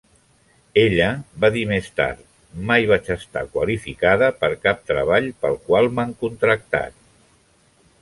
Ella va dir més tard, "Mai vaig estar qualificada per cap treball pel qual m'han contractat".